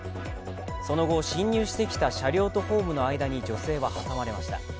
その後、進入してきた車両とホームの間に女性は挟まれました。